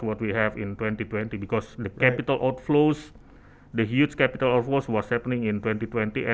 karena kembang kapital kembang kapital besar terjadi pada tahun dua ribu dua puluh